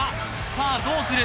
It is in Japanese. さあどうする？